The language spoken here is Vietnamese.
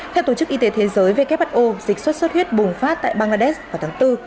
theo tổ chức y tế thế giới who dịch sốt xuất huyết bùng phát tại bangladesh vào tháng bốn